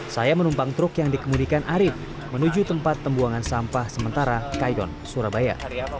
saya menumpang truk yang dikemudikan arif menuju tempat tembuangan sampah sementara kaidon surabaya